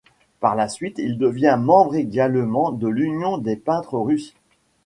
Par la suite il devient membre également de l'Union des peintres russes.